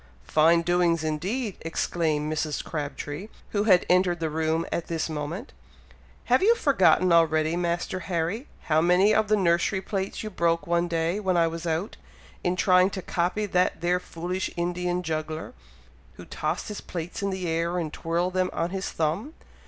"Fine doings indeed!" exclaimed Mrs. Crabtree, who had entered the room at this moment. "Have you forgotten already, Master Harry, how many of the nursery plates you broke one day when I was out, in trying to copy that there foolish Indian juggler, who tossed his plates in the air, and twirled them on his thumb!